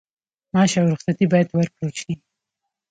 معاش او رخصتي باید ورکړل شي.